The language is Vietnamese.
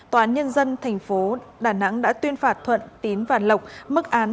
tòa án nhân dân tp đà nẵng đã tuyên phạt thuận tín và lộc mức án